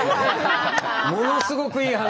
ものすごくいい話。